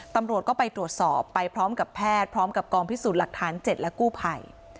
ตำรวจก็ไปตรวจสอบไปพร้อมกับแพทย์พร้อมกับกองพิสูจน์หลักฐาน๗และกู้ภัย